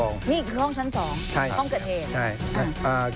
นี่อีกคือห้องชั้น๒ห้องเกิดเหตุใช่ครับใช่